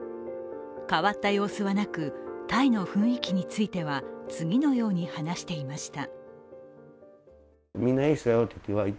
変わった様子はなく、隊の雰囲気については次のように話していました。